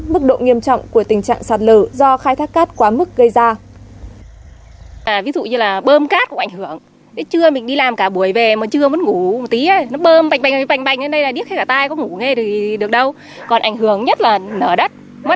mức độ nghiêm trọng của tình trạng sạt lở